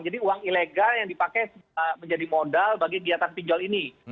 jadi uang ilegal yang dipakai menjadi modal bagi kegiatan pinjol ini